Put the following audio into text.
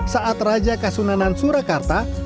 saat raja kasunanan surakarta